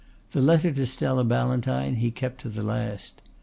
The letter to Stella Ballantyne he kept to the last.